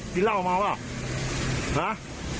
กินเหล้าออกมาหรือเปล่า